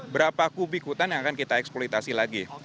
berapa kubik hutan yang akan kita eksploitasi lagi